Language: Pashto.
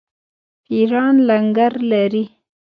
پیران لنګر لري.